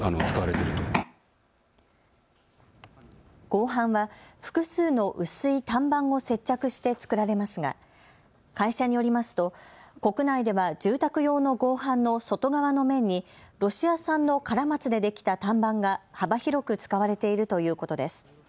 合板は複数の薄い単板を接着して作られますが、会社によりますと国内では住宅用の合板の外側の面にロシア産のカラマツでできた単板が幅広く使われているということです。